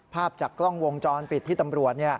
ภาพจากกล้องวงจรปิดที่ตำรวจ